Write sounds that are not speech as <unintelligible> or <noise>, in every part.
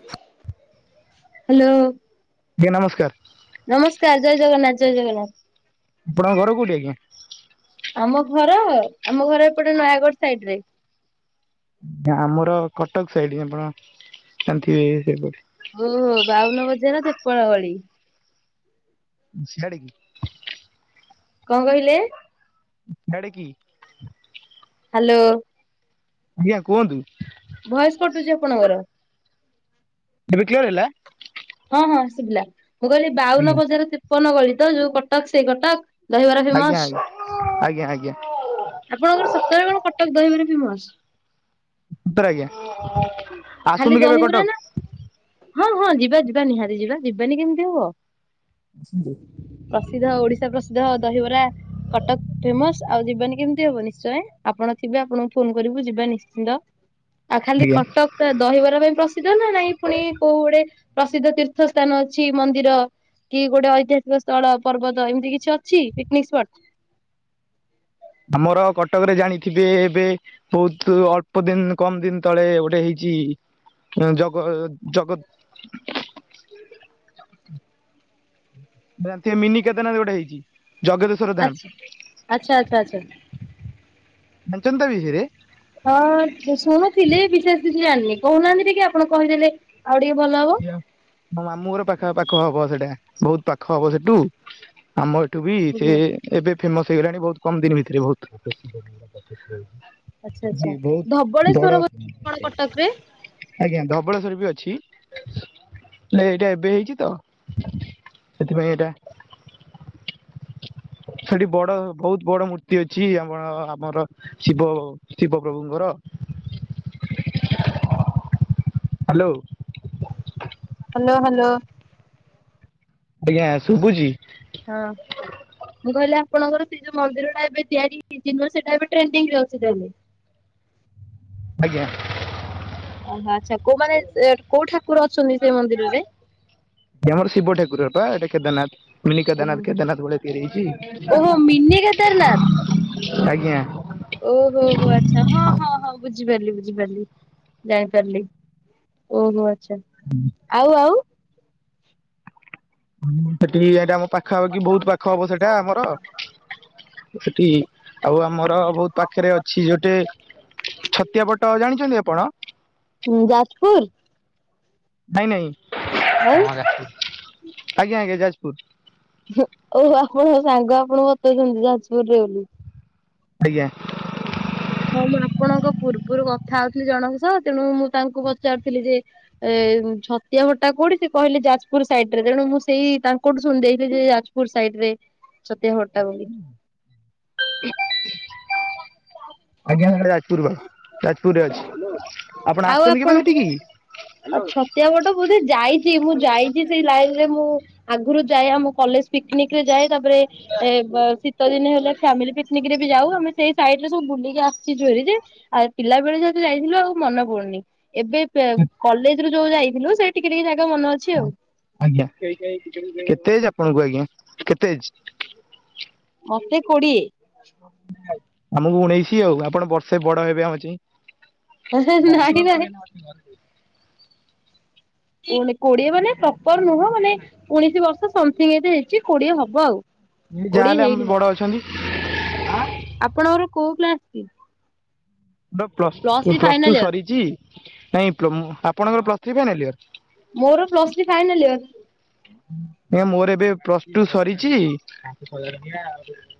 <inaudible> Hello. ଆଜ୍ଞା ନମସ୍କାର। ନମସ୍କାର ଜୟ ଜଗନ୍ନାଥ, ଜୟ ଜଗନ୍ନାଥ। ଆପଣଙ୍କ ଘର କୋଉଠି ଆଜ୍ଞା? ଆମ ଘର ଆମ ଘର ଏପଟେ ନୟାଗଡ ସାଇଟ୍ ରେ। ଆଜ୍ଞା ଆମର କଟକ ସାଇଟ୍, ଆପଣ ଜଣିଥିବେ ସେପଟେ। ମୁଁ ବାଉନ ବଜାର ତେପନ ଗଳି। ସିଆଡେ କି? କଣ କହିଲେ? ଦାଡେ କି? ହାଲୋ। ଆଜ୍ଞା କୁହନ୍ତୁ। ଭଏସ କଟୁଛି ଆପଣଙ୍କର। ଏବେ କ୍ଲିୟର ହେଲା। ହଁ ହଁ ଶୁଭିଲା, ମୁଁ କହିଲି ବାଉନ ଆଜ୍ଞା ବଜାର ତେପନ ଗଳି ତ ଯୋଉ କଟକ, ସେଇ କଟକ। ଦହିବରା ଆଜ୍ଞା ଫେମସ, ଆଜ୍ଞା ଆଜ୍ଞା ଆଜ୍ଞା ଆପଣଙ୍କର ସତରେ କଣ କଟକ ଦହିବାର ଫେମସ? ସତରେ ଆଜ୍ଞା। ଖାଲି ଆସନ୍ତୁ କେବେ ଦହିବରା କଟକ ନା, ହଁ ହଁ ଯିବା ଯିବା ନିହାତି ଯିବା ଯିବାନି କେମିତି ହବ। ପ୍ରସିଦ୍ଧ ଓଡିଶା ପ୍ରସିଦ୍ଧ ଦହିବରା। କଟକ ଫେମସ୍ ଆଉ ଯିବାନି କେମିତି ହବ, ନିଶ୍ଚୟ ଆପଣ ଥିବେ ଆପଣଙ୍କୁ ଫୋନ କରିବୁ ଯିବା ନିଶ୍ଚିନ୍ତ। ଆଉ ଖାଲି ଆଜ୍ଞା କଟକ। ଦହିବରା ପାଇଁ ପ୍ରସିଦ୍ଧ ନା ନାଇଁ ପୁଣି କୋଉ ଗୋଟେ ପ୍ରସିଦ୍ଧ ତୀର୍ଥ ସ୍ଥାନ ଅଛି ମନ୍ଦିର। କି ଗୋଟେ ଐତିହାସିକ ସ୍ଥଳ, ପର୍ବତ ଏମିତି କିଛି ଅଛି, ପିକନିକ ସ୍ପଟ। ଆମର କଟକରେ ଜାଣିଥିବେ ଏବେ। ବହୁତ ଅଳ୍ପ ଦିନ କମ ଦିନ ତଳେ ଗୋଟେ ହେଇଛି। ଜଗ ଜଗତ ଜାଣି ଥିବେ ମିନି କେଦାର ନାଥ ଗୋଟେ ହେଇଛି ଜଗଦେ ଆଛା ଆଚ୍ଛା ଆଚ୍ଛା ଆଚ୍ଛା। ଜାଣିଛନ୍ତି ତା ବିଷୟରେ। ହଁ ବି ଶୁଣୁଥିଲି ବିଶେଷ କିଛି ଜାଣିନି କହୁନାହାନ୍ତି ଟିକେ ଆପଣ କହିଦେଲେ ଆଉ ଟିକେ ଭଲ ହବ। ମୋ ମାମୁଁ ଘର ପାଖା ପାଖ ହବ ସେଟା ବହୁତ ପାଖ ହବ ସେଠୁ ଆମ। ଏଠୁ ବି ସେ ଓହୋ ଏବେ ଫେମସ ହେଇଗଲାଣି ବହୁତ କମ ଦିନ ଭିତରେ ବହୁତ। ଆଛା ଜି ଆଚ୍ଛା। ବହୁତ ବଡ ଧବଳେଶ୍ଵର କଣ କଟକରେ? ଆଜ୍ଞା ଧବଳେଶ୍ୱର ବି ଅଛି, ନାଇ ଏଇଟା ଏବେ ହେଇଛି ତ। ସେଥିପାଇଁ ଏଇଟା। ସେଠି ବଡ ବହୁତ ବଡ ମୂର୍ତ୍ତି ଅଛି, ଆମ ଆମର। ଶିବ ଶିବ ପ୍ରଭୁଙ୍କର। ହାଲୋ। Hello hello. ଆଜ୍ଞା ଶୁଭୁଛି। ହଁ। ମୁଁ କହିଲି ଆପଣଙ୍କ ସେ ଯୋଉ ମନ୍ଦିରଟା ଏବେ ତିଆରି ହେଇଛି, ନୁଆ ସେଇଟା ଏବେ ଟ୍ରେଡିଙ୍ଗରେ ଅଛି ତାହେଲେ। ଆଜ୍ଞା। ଓହୋ ଆଚ୍ଛା କୋଉମାନେ କୋଉ ଠାକୁର ଅଛନ୍ତି ସେ ମନ୍ଦିରରେ? ସେଠି ଆମର ଶିବ ଠାକୁର ବା ଏଟା କେଦାରନାଥ। ମିନି କେଦାରନାଥ କେଦାରନାଥ ଭଳିଆ ତିଆରି ହେଇଛି ଓହୋ ମିନି ଆଜ୍ଞା। ଓ ହୋ ହୋ ଆଛା, ହଁ ହଁ ହଁ ବୁଝିପାରିଲି ବୁଝିପାରିଲି ଜାଣିପାରିଲି। ଓହୋ ଆଚ୍ଛା। ହୁଁ। ଆଉ ଆଉ। ସେଠି ବି ଏଇ ଟା ଆମ ପାଖାପାଖି ବହୁତ ପାଖ ହବ ସେଇଟା ଆମର। ସେଠି ଆଉ ଆମର ବହୁତ ପାଖରେ ଅଛି ଗୋଟେ ‌। ଛତିଆବଟ ଜାଣିଛନ୍ତି ଆପଣ? ହୁଁ ଯାଜପୁର? ନାଇଁ ନାଇଁ। ଆଉ। ଆଜ୍ଞା ଆଜ୍ଞା ଯାଜପୁର। ହୁଁ ଓ ହୋ ଆପଣ ସାଙ୍ଗ ଆପଣ ବତୋଉଛନ୍ତି ଯାଜପୁର ରେ ବୋଲି। ଆଜ୍ଞା। ହଁ ମୁଁ ଆପଣଙ୍କ ପୂର୍ବରୁ କଥା ହଉଥିଲି ଜଣଙ୍କ ସହ। ତେଣୁ ମୁଁ ତାଙ୍କୁ ପଚାରୁଥିଲି ଯେ ଏ ଛତିଆ ଭଟା କୋଉଠି ସେ କହିଲେ ଯାଜପୁର ସାଇଡ୍ ରେ ତେଣୁ ମୁଁ ସେଇ ତାଙ୍କଠୁ ଶୁଣି ଦେଇଥିଲି ଯେ ଯାଜ <unintelligible> ସାଇଡ ରେ ଛତିଆ ହଟା ବୋଲି। ଆଜ୍ଞା ସେଟା ଯାଜପୁର ବା, ଯାଜପୁରରେ ଅଛି, ଆପଣ ଆସଛନ୍ତି କେବେ ସେଠିକି? ଆ ଛତିଆ ପୁରେ ଯାଇଚି ମୁଁ ଯାଇଚି ସେଇ ଲାଇନ ରେ ମୁଁ ଆଗରୁ ଯାଏ ଆମ କଲେଜ୍ ପିକନିକ ରେ ଯାଏ। ତାପରେ ଏ ବ-ଶୀତ ଦିନ ହେଲେ ଫ୍ୟାମିଲି ପିକ୍ ନିକ ରେ ବି ଯାଉ ଆମେ ସେଇ ସାଇଡରେ ସବୁ ବୁଲିକି ଆ ସଚି ଜରିରେ ଆ ପିଲା ବେଳେ ଯଦି ଯାଇଥିଲୁ ଆଉ ମନେ ପଡୁନି। ଏବେ ପେ-କଲେଜ୍ ଯୋଉ ଯାଇଥିଲୁ ସେ ଟିକେ ଟିକେ ଜାଗା ମନ ଅଛି ଆଉ। ଆଜ୍ଞା କେତେ ଏଜ୍ ଆପଣଙ୍କୁ ଆଜ୍ଞା, କେତେ ଏଜ୍? ମୋତେ କୋଡିଏ। ଆମକୁ ଉଣେଇଶି ଆଉ ଆପଣ ବର୍ଷେ ବଡ ହେବେ ଆମ ଚେଇଁ। ନାଇଁ ବଂଶ ନାଇଁ ଉପରେ ନ <inaudible> ଉଣେ କୋଡିଏ ମାନେ ପ୍ରପର୍ ନୁହଁ ମାନେ ଉଣେଇଶି ବର୍ଷ ସମଥିଙ୍ଗ ଏଜ୍ ହେଇଛି, କୋଡିଏ ହବ ଆଉ। ଯାହାହେଲେ କୋଡିଏ ଆମେ ହେଇନି ବଡ ମୋତେ। ଅଛନ୍ତି ଆପଣଙ୍କର କୋଉ କ୍ଲାସ୍ କି? <inaudible> Plus plus three plus final two year ସରିଚି ନାଇଁ ପମୋ ଆପଣଙ୍କର ପ୍ଲସ୍ ଥ୍ରୀ ଫାଇନାଲ ଇୟର? ମୋର ପ୍ଲସ୍ ଥ୍ରି ଫାଇନାଲ୍ ଇୟର୍। ନା ମୋର ଏବେ ପ୍ଲସ୍ ଟୁ ସରିଛି।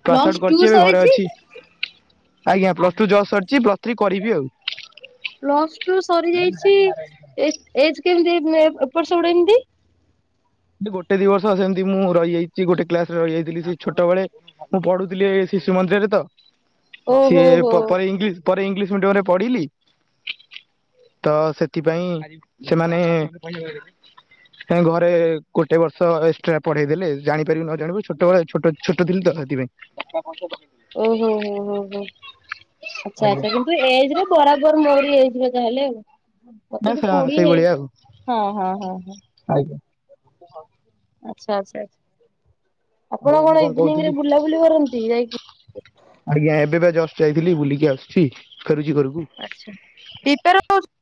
ପାସ୍ ପ୍ଲସ୍ ଆଉଟ୍ ଟୁ କରିଛି ଏବେ ଘରେ ସରିଛି ଅଛି। ଆଜ୍ଞା ପ୍ଲସ୍ ଟୁ ଜସ୍ ସରିଛି, ପ୍ଲସ୍ ଥ୍ରୀ କରିବି ଆଉ। ପ୍ଲସ୍ ଟୁ ସରିଯାଇଛି ଏ ଏଜ୍ କେମିତି ଏପଟ ସେପଟ ଏମିତି? ଗୋଟେ ଦି ବର୍ଷ ସେମିତି ମୁଁ ରହିଯାଇଚି ଗୋଟେ କ୍ଲାସ୍ ରେ ରହିଯାଇଥିଲି ସେଇ ଛୋଟବେଳେ। ମୁଁ ପଢୁଥିଲି ଏ ଶିଶୁ ମନ୍ଦିରରେ ତ ଓହୋ ସିଏ ହୋ ପ୍ରପର୍ ଇଂଲିଶ ପରେ ଇଂଲିଶ ମିଡିୟମ୍ ରେ ପଢିଲି। ତ ସେଥିପାଇଁ ସେମାନେ ହଁ ଘରେ ଗୋଟେ ବର୍ଷ ଏକ୍ସଟ୍ରା ପଢେଇ ଦେଲେ ଜାଣିପାରିବୁ ନ ଜାଣିବୁ ଛୋଟବେଳେ ଛୋଟ ଛୋଟ ଥିଲି ତ ସେଥିପାଇଁ। କେତେ ବର୍ଷ ପାଇଁ ଓହୋ, ହୋ, ହୋ, ହୋ ଆଚ୍ଛା, ଆଜ୍ଞା ଆଚ୍ଛା ଯେମ ତୁ ଏଜ୍ ରେ ବରାବର ମୋରି ଏଜ୍ ର ତାହେଲେ ଆଉ। ନା ମୋତେ ବି କୋଡିଏ ହେଇ, ହଁ, ହଁ, ହଁ, ହଁ ଆଜ୍ଞା। <inaudible> ଆଚ୍ଛା, ଆଚ୍ଛା, ଆଚ୍ଛା ଆଉ ଆପଣ ମୁଁ କଣ ଇଭିନିଂ କହୁଥିଲି ରେ ବୁଲାବୁଲି କରନ୍ତି ଯାଇକି? ଆଜ୍ଞା ଏବେ ବା ଜଷ୍ଟ ଯାଇଥିଲି ବୁଲିକି ଆସୁଛି ଫେରୁଚି ଘରକୁ। <unintelligible>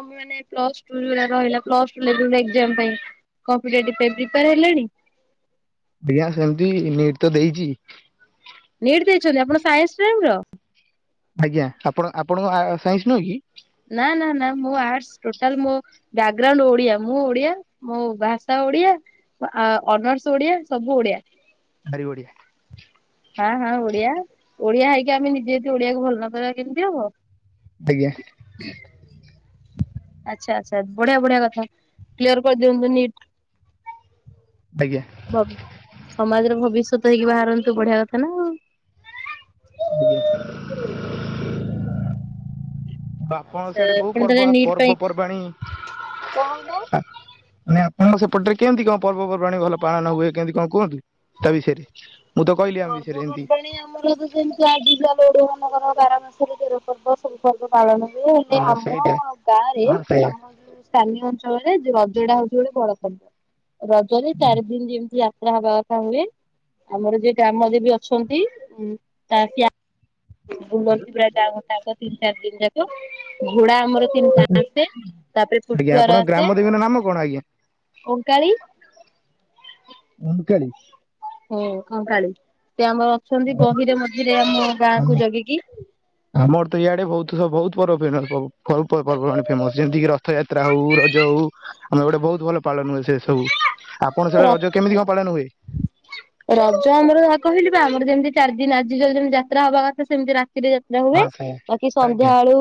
<unintelligible> ମାନେ ପ୍ଲସ୍ ଟୁ ଯୋଉଡା ରହିଲା ପ୍ଲସ୍ ଟୁ ଲେବୁଲ୍ ରେ ଏକ୍ଜାମ ପାଇଁ। କମ୍ପିଟେଟିଭ ପାଇଁ ପ୍ରିପୟାର୍ ହେଲେଣି? ଆଜ୍ଞା ସେମତି ନିଟ ତ ଦେଇଚି। ନିଟ୍ ଦେଇଛନ୍ତି ଆପଣ ସାଇନ୍ସ ଷ୍ଟ୍ରିମ୍ ର? ଆଜ୍ଞା ଆପଣ ଆପଣଙ୍କ ଆ, ସାଇନ୍ସ ନୁହଁ କି? ନା, ନା, ନା ମୁଁ ଆର୍ଟସ୍ ଟୋଟାଲ ମୋ ବ୍ୟାଗ୍ରାଉଣ୍ଡ ଓଡିଆ, ମୁଁ ଓଡିଆ, ମୋ ଭାଷା ଓଡିଆ। ଆ, ଅନର୍ସ ଓଡିଆ ସବୁ ଓଡିଆ। ଭାରି ବଢ଼ିଆ। ହଁ, ହଁ ଓଡିଆ ଓଡିଆ ହେଇକି ଆମେ ନିଜେ ଯଦି ଓଡିଆକୁ ଭଲ ନପାଇବା କେମିତି ହବ। ଆଜ୍ଞା। <inaudible> ଆଚ୍ଛା, ଆଚ୍ଛା ବଢିଆ ବଢିଆ କଥା କ୍ଲିୟର୍ କରିଦିଅନ୍ତୁ ନିଟ୍। ଆଜ୍ଞା। ବ ସମାଜର ଭବିଷ୍ୟତ ହେଇକି ବାହାରନ୍ତୁ ବଢିଆ କଥା ନା ଆଉ। ଆଜ୍ଞା। ତ ଆପଣଙ୍କ ଆଚ୍ଛା ସିଆଡେ କୋଉ ଆପଣ ତାହେଲେ ପର୍ବ ନିଟ୍ ପାଇଁ ପର୍ବପର୍ବାଣି କଣ ହଉନା ମାନେ ହଁ ସେପଟରେ କେମିତି କଣ ପର୍ବପର୍ବାଣି ଭଲ ପାଳନ ହୁଏ। କେମିତି କଣ କୁହନ୍ତୁ ତା ବିଷୟରେ? ମୁଁ ତ କହିଲି ଆମ ବିଷୟରେ ଏମିତି। ମୁଁ ତ ଯେମିତି ବାର ମାସରେ ତେର ପର୍ବ। ପର୍ବ ପାଳନ ହୁଏ। ହେଲେ ହଁ ଆମ ସେଇଟା ଗାଁରେ ହଁ ସେଇଆ ଆମ ଯୋଉ ସ୍ଥାନୀୟ ଅଞ୍ଚଳରେ ରଜ ଟା ହଉଛି ଗୋଟେ ବଡ ପର୍ବ। ରଜରେ ଚାରି ଦିନ ଯେମିତି ଯାତ୍ରା ହବା ଅ ହୁଏ ଆମର ଯିଏ ଗ୍ରାମ ଦେବୀ ଅଛନ୍ତି। ଉ ତା ବ୍ୟା ଘୁମନ୍ତି ପୁରା ଯାମ ତାକ ତିନି ଚାରି ଦିନି ଯାକ। ଘୋଡା ଆମର ତିନିଟା ଆସେ ତାପରେ ଆଜ୍ଞା ପୁଟୁଆର ଆପଣଙ୍କ ଗ୍ରାମ ଆସେ। ଦେବୀଙ୍କ ନାମ କଣ ଆଜ୍ଞା? ଓକାଳୀ। ଓଁ କାଳିି। ହଁ କଙ୍କାଳୀ ସେ ଆମର ଅଛନ୍ତି। ଗହିର ମଝିରେ ଆମ ଗାଁକୁ ଜଗିକି। ଆମର ତ ଇଆଡେ ବହୁତ ସ ବହୁତ ପର୍ବ ଫେମସ ପର୍ବପର୍ବାଣି ଫେମସ ଯେମିତିକି ରଥଯାତ୍ରା ହଉ ରଜ ହଉ। ଆମେ ଗୋଟେ ବହୁତ ଭଲ ପାଳନ ହୁଏ ସେ ସବୁ। ଆପଣ ସେଡେ ର ରଜ କେମିତି କଣ ପାଳନ ହୁଏ? ରଜ ଆମର ଯା କହିଲି ବା ଆମର ଯେମିତି ଚାରି ଦିନି ଆଜି ଯେମିତି ଯାତ୍ରା ହବା କଥା। ସେମିତି ରାତିରେ ରେ ହୁଏ। ହଁ ସେଇଆ ବାକି ଆଜ୍ଞା ସନ୍ଧ୍ୟାବେଳୁ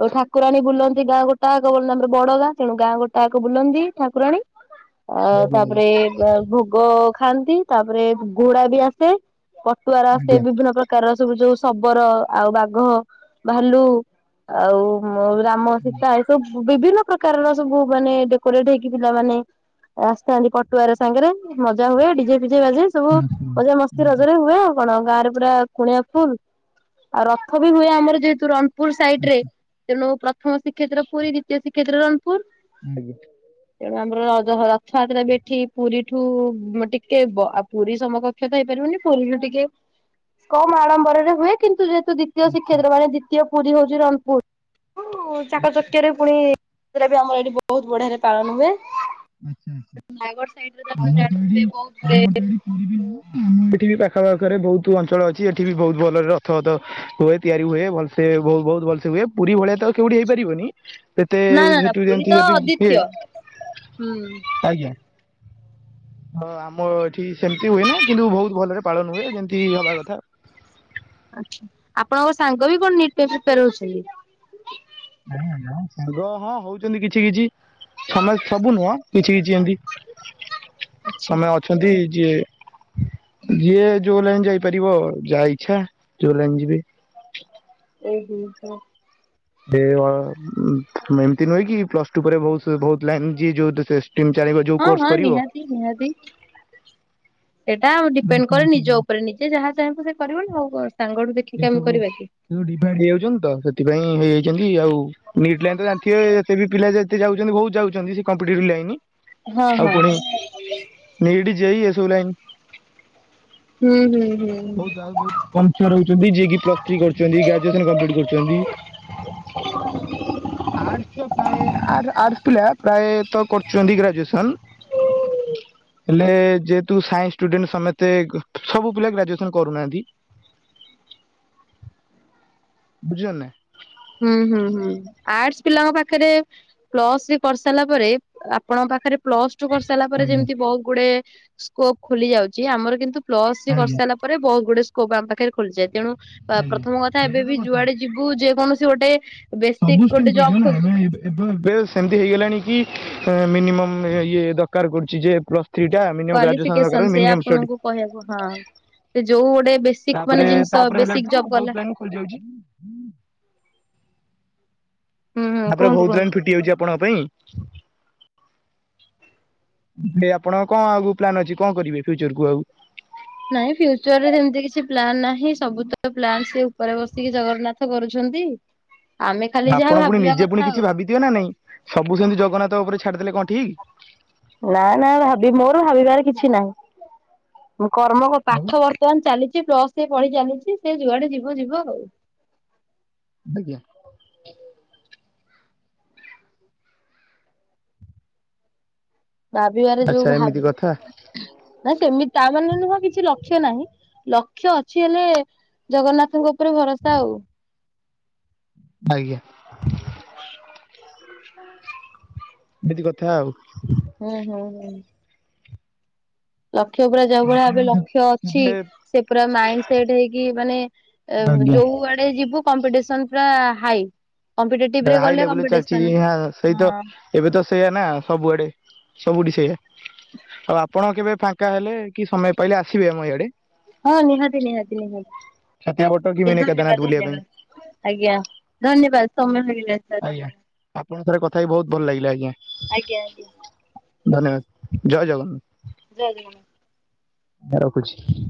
ଆଉ ଠାକୁରାଣୀ ବୁଲନ୍ତି ଗାଁ ଗୋଟାଆଙ୍କ। ବ ଆମର ବଡ ଗାଁ ତେଣୁ ଗାଁ ଗୋଟାକ ବୁଲନ୍ତି ଠାକୁରାଣୀ। ଆ ଆଜ୍ଞା ତାପରେ ଆଜ୍ଞା ଅ ଭୋଗ ଖାଆନ୍ତି। ତାପରେ ଘୋଡା ବି ଆସେ। ପଟୁଆର ଆସେ ବିଭିନ୍ନ ପ୍ରକାରର ସବୁ ଯୋଉ ଶବର ଆଉ ବାଘ ଭାଲୁ। ଆଉ ଉମ ରାମ ସୀତା। ତ ବିଭିନ୍ନ ପ୍ରକାରର ସବୁ ମାନେ ଡେକୋରେଟ ହେଇକି ପିଲା ମାନେ ଆସିଥାନ୍ତି ପଟୁଆର ସାଙ୍ଗରେ ମଜା ହୁଏ। ଡିଜେ ଫିଜେ ବାଜେ। ସବୁ ମଜାମସ୍ତି ଆଜ୍ଞା ରଜରେ ହୁଏ ଆଉ। କଣ ଗାଁ ରେ ପୁରା କୁଣିଆ ଫୁଲ୍। ଆଉ ରଥ ବି ହୁଏ। ଆମର ଯେହେତୁ ର ଣପୁର ସାଇଡ୍ ରେ ଆଜ୍ଞା ତେଣୁ ପ୍ରଥମ ଶ୍ରୀଷେତ୍ର ପୁରୀ। ଦିତୀୟ ଶ୍ରୀକ୍ଷେତ୍ର ରଣପୁର। ଆଜ୍ଞା। ତେଣୁ ଆମର ରଜ ରଥଯାତ୍ରା ବି ଏଠି ପୁରୀଠୁ ଟିକେ କେ ବ ଆଉ ପୁରୀ ସମକକ୍ଷ ତ ହେଇପାରିବନି। ପୁରୀରୁ ଟିକେ କମ ଆଡମ୍ବରରେ ହୁଏ। କିନ୍ତୁ ଯେହେ ତୁ ଦ୍ଵିତୀୟ ଶ୍ରୀକ୍ଷେତ୍ର ମାନେ ଦ୍ଵିତୀୟ ପୁରୀ ହଉଛି ରଣପୁର। ଚାକଚକ୍ୟରେ ପୁଣି ତ୍ରା ବି ଆମର ଏଇଠି ବହୁତ ବଢିଆରେ ପାଳନ ହୁଏ। ନୟାଗଡ ସାଇଟରେ ତ ଆପଣ ଆମର ଏଇଠି ଜାଣିିଥିବେ ବହୁତ୍ ହୁଏ। ଆମର ତ ଏଇଠି ଏଠି ବି ପାଖ ପାଖରେ ବହୁତ ଅଞ୍ଚଳ ଅଛି। ଏଠି ବି ବହୁତ ଭଲରେ ରଥପଥ ହୁଏ। ତିଆରି ହୁଏ ଭଲସେ ବହୁ ବହୁତ ଭଲସେ ହୁଏ। ପୁରୀ ଭଳିଆ ତ କେଉଠି ହେଇପାରିବନି। ସେତେ ନା ନା ନା ସେଠୁ ପୁରୀ ଯେମିତି ତ ଯଦି ହୁଏ ଅଦିତ୍ୟ ହୁଁ। ଆଜ୍ଞା। ହଁ ଆମ ଏଠି ସେମିତି ହୁଏନି। କିନ୍ତୁ ବହୁତ ଭଲରେ ପାଳନ ହୁଏ ଯେମିତି ହବା କଥା। ଆଜ୍ଞା ଆପଣଙ୍କ ସାଙ୍ଗ ବି କଣ ନିଟ୍ ପି ପ୍ରୀପାର ହଉଛନ୍ତି। ସାଙ୍ଗ ହଁ ହଉଛନ୍ତି କିଛି କିଛି ସମସ୍ତ ସବୁ ନୁହଁ। କିଛି କିଛି ଏମତି। ଆଚ୍ଛା ସମୟ ଅଛନ୍ତି। ଯିଏ ଯିଏ ଯୋଉ ଲାଇନ୍ ଯାଇ ପାରିବ ଯାହା ଇଚ୍ଛା ଜୋ ଲାଇନ୍ ଯିବେ। ଏଇ ହୁ ହୁଁ। ଦେ ଆମ୍ ଏମିତି ନୁହେଁ କି ପ୍ଲସ ଟୁ ପରେ ବହୁ ବହୁତ୍ ଲାଇନ୍ ଯିଏ ଯୋଉ ଟିମ୍ ଚରିବ ଯୋଉ ହଁ ହଁ କୋର୍ସ କରିବ। ନିହାତି ନିହାତି। ସେଇଟା ଡିପେଣ୍ଡ କରେ ନିଜ ଉପରେ। ନିଜେ ଯାହା ଚାହିଁବ ସେ କରିବନା ଆଉ। ସାଙ୍ଗଠୁ ଦେଖ ଏ ସବୁ ସବୁ ଡିଭାଇଡ୍ ହେଯାଉଛନ୍ତି ତ। ସେଥିପାଇଁ ହେଇଯାଇଛନ୍ତି ଆଉ। ନିଟ୍ ଲାଇନ୍ ତ ଜାଣିଥିବେ ଏତେ ବି ପିଲା ଯେତେ ଯାଉଚନ୍ତି ବୋହୁତ ଯାଉଚନ୍ତି ସେ କମ୍ପିଟେଟିଭ ଲାଇନ୍। ହଁ ଆଉ ହଁ ପୁଣି ନେଇଟ୍ ଯେ ଇ ଏସବୁ ଲାଗନ ହୁଁ ହୁଁ ହୁଁ। କନଫୋରଚନ୍ତି <unintelligible> ଯିଏ କି ପ୍ଲସ ଥ୍ରି କରୁଚନ୍ତି ଗ୍ରଜୁଏସନ୍ କରୁଚନ୍ତି। ଆର୍ଟ୍ସ ର ପ୍ରାଏ ଆ ଆର୍ଟ ପିଲା ପ୍ରାୟ ତ କରୁଚନ୍ତି ଗ୍ରାଜୁଏସନ। ହେଲେ ଯେହେତୁ ସାଇନ୍ସ ଷ୍ଟୁଡେଣ୍ଟ ସମସ୍ତେ ସବୁ ପିଲା ଗ୍ରାଜୁଏସନ କରୁଚନ୍ତି। ବୁଝିଲନା। ହୁଁ ହୁଁ ହୁଁ ଆର୍ଟସ୍ ପିଲାଙ୍କ ପାଖରେ ପ୍ଲସ ଥ୍ରି କରିସାରିଲା ପରେ ଆପଣଙ୍କ ପାଖରେ ପ୍ଲସ ଟୁ କରିସା ତାଲା ପରେ ଆଜ୍ଞା ଯେମିତି ବୋହୁତ ଗୁଡେ ସ୍କୋପ ଖୋଲି ଯାଉଚି ଆମର କିନ୍ତୁ ପ୍ଲସ ଥ୍ରି ଆଜ୍ଞା କରିସାଲା ପରେ ଉପ ପରେ ବୋହୁତ ଗୁଡେ ସ୍କୋପ ଆମ ପାଖରେ ଖୋଲିଯାଏ ତେଣୁ ଆଜ୍ଞା ପ୍ରଥମ କଥା ଏବେ ସେଇଟା ତ ବି କଥା ଯୁଆଡେ ଯିବୁ ଯେକୌଣସି ଗୋଟେ ବେସିକ ସବୁ ଷ୍ଟିମ୍ ଗୋଟେ ଖୋଲି ଜବ ଯିବ <unintelligible> ନା ଖୋ ଆମେ ଏବଂ ବେ ସେମିତି ହେଇଗଲାଣି କି ମିନିମମ୍ ଇଏ ଦରକାର କରୁଚି ଯେ ଥ୍ରୀ ଟା ମିନିମମ୍ ଗ୍ରାଜୁଏସନ୍ କ୍ୱାଲିଫିକେସନ ଦରକାର ସେଇଆ ମିନିମମ୍ ଷ୍ଟଡି ଆପଣଙ୍କୁ କହିବାକୁ ହଁ ସେ ଯୋଉ ଗୋଟେ ବେସିକ ମାନେ ତାପରେ ଜିନିଷ ତାପରେ ବେସିକ ହେଲାଠୁ ଜବ ଗଲା <unintelligible> ହୁଁ ହୁଁ ତାପରେ କୁହନ୍ତୁ ବୋହୁତ କୁହନ୍ତୁ ଲାଇନ୍ ଫିଟି ଯାଉଚି ଆପଣଙ୍କ ପାଇଁ। ଆପଣ କଣ ଆଗକୁ ପ୍ଲାନ୍ ଅଛି କଣ କରିବେ ଫ୍ୟୁଚର କୁ ଆଉ। ନାଇଁ ଫ୍ୟୁଚରରେ ସେମିତି କିଛି ପ୍ଲନ୍ ନାହିଁ ସବୁ ତ ପ୍ଲାନ୍ ସେ ଉପରେ ବସିକି ଜଗନ୍ନାଥ କରୁଚନ୍ତି। ଆମେ ଖାଲି ଯାହା ଭାବିବା କଥା ଆଉ। ଦିଅ ନା ନାଇଁ ସବୁ ସେମିତି ଜଗନ୍ନାଥ ଉପରେ ଛାଡିଦଲେ କଣ ଠିକ? ନା ନା ଭାବି ମୋର ଭାବିବାରେ କିଛି ନାହିଁ ମୁଁ କର୍ମ ପାଠ ବ ବର୍ତମାନ ଚାଲିଚି ପ୍ଲସ ଥ୍ରି ପଢି ଚାଲିଚି ସେ ଯୁଆଡେ ଯିବ ଯିବ ଆଉ। ଆଜ୍ଞା। ଭାବିବାରେ ଯୋଉ ଆଚ୍ଛା ଏମିତି ଭାବ କଥା ନା ସେମିତି ତା ମାନେ ନୁହଁ କିଛି ଲକ୍ଷ୍ୟ ନାହିଁ ଲକ୍ଷ୍ୟ ଅଛି ହେଲେ ଜଗନ୍ନାଥଙ୍କ ଉପରେ ଭରସା ଆଉ। ଆଜ୍ଞା। <inaudible> ଏମିତି କଥା ଆଉ। ହୁଁ ହୁଁ ହୁଁ। ଲକ୍ଷ୍ୟ ପୁରା ଯୋଉ ଭଳିଆ ଆପଣ ଭବେ ଲକ୍ଷ ଅଛି କେବେ ସେ ପୁରା ମାଇଣ୍ଡ ସେଟ ହେଇକି ମାନେ ଆଜ୍ଞା ଯୋଉ ଆଡେ ଯିବୁ କମ୍ପିଟିସନ ପୁରା ହାଇ। କମ୍ପିଟେଟିଭ ରେ ହାଇ ଗଲେ ଲେଭୁଲରେ ଚାଲିଚି କମ୍ପିଟିସନ ଇଂହା ସେଇତ ହଁ ଏବେ ତ ସେଇଆ ନା ସବୁଆଡେ, ସବୁଠି ସେଇଆ ଆଉ ଆପଣ କେବେ ଫା ଙ୍କା ହେଲେ କି ସମୟ ପାଇଲେ ଆସିବେ ଆମ ଇଆଡେ। ହଁ ନିହାତି ନିହାତି ନିହାତି ଛତିଆ ବଟ କି ମିନି କେଦାରନାଥ ଧନ୍ୟବାଦ ବୁଲିବା ପାଇଁ ଧନ୍ୟବାଦ। ଆଜ୍ଞା ଧନ୍ୟବାଦ ସମୟ ବି ହେଲାଣି। ଆଜ୍ଞା ଆପଣଙ୍କଥରେ କଥା ବି ବୋହୁତ ଭଲ ଲାଗିଲା ଆଜ୍ଞା। ଆଜ୍ଞା ଆଜ୍ଞା। ଧନ୍ୟବାଦ ଜୟ ଜଗନ୍ନାଥ। ଜୟ ଜଗନ୍ନାଥ। ରଖୁଚି।